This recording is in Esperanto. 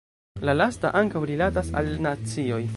La lasta ankaŭ rilatas al nacioj.